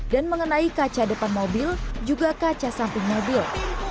dan mengenai kaca depan mobil juga kaca samping mobil